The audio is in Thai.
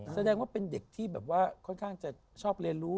แสดงว่าเป็นเด็กที่แบบว่าค่อนข้างจะชอบเรียนรู้